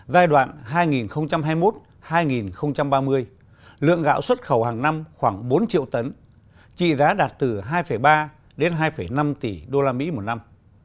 giai đoạn hai nghìn hai mươi một hai nghìn ba mươi lượng gạo xuất khẩu hàng năm khoảng bốn triệu tấn trị giá đạt từ hai ba đến hai năm tỷ usd một năm